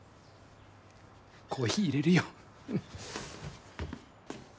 コーヒーいれるよ。